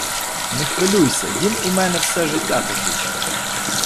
Не хвилюйся. Він у мене все життя такий.